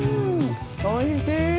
おいしい。